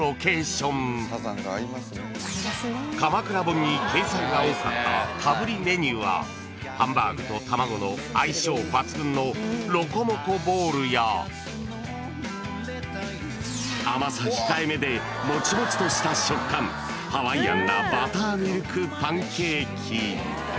［鎌倉本に掲載が多かったかぶりメニューはハンバーグと卵の相性抜群のロコモコボウルや甘さ控えめでもちもちとした食感ハワイアンなバターミルクパンケーキ］